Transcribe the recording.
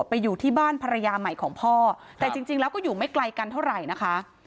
ไปอยู่ที่บ้านภรรยาใหม่ของพ่อแต่จริงแล้วก็อยู่ไม่ไกลกันเท่าไหร่นะคะ